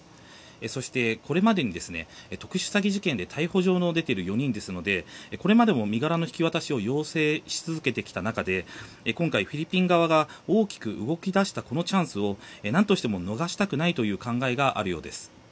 そしてこれまでに特殊詐欺事件で逮捕状の出ている４人ですのでこれまでも身柄の引き渡しを要請し続けてきた中今回フィリピン側が大きく動き出したこのチャンスを何としても逃したくない考えがあるようです。